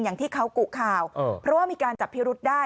อย่างที่เขากุข่าวเพราะว่ามีการจับพิรุษได้